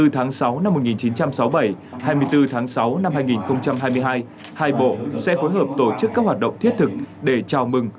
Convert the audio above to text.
hai mươi tháng sáu năm một nghìn chín trăm sáu mươi bảy hai mươi bốn tháng sáu năm hai nghìn hai mươi hai hai bộ sẽ phối hợp tổ chức các hoạt động thiết thực để chào mừng